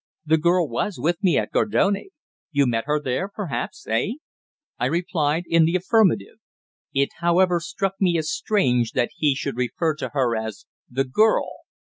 The girl was with me at Gardone. You met her there, perhaps eh?" I replied in the affirmative. It, however, struck me as strange that he should refer to her as "the girl."